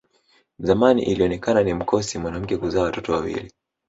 Zamani ilionekana ni mkosi mwanamke kuzaa watoto wawili